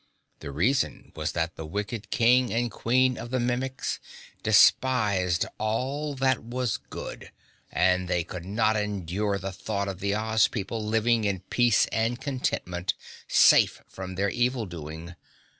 The reason was that the wicked King and Queen of the Mimics despised all that was good, and they could not endure the thought of the Oz people living in peace and contentment, safe from their evil doing.